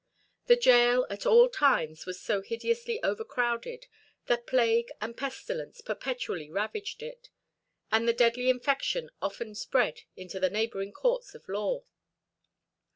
The gaol at all times was so hideously overcrowded that plague and pestilence perpetually ravaged it, and the deadly infection often spread into the neighbouring courts of law.